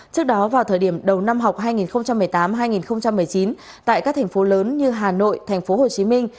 trước đó vào thời điểm đầu năm học hai nghìn một mươi tám hai nghìn một mươi chín tại các thành phố lớn như hà nội thành phố hồ chí minh